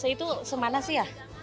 itu semana sih ya